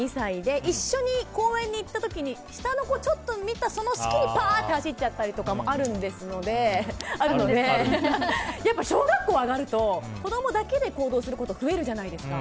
今、４歳２歳で一緒に公園に行った時も下の子、ちょっと見たその隙に走っちゃったりもありますので小学校に上がると子供だけで行動すること増えるじゃないですか。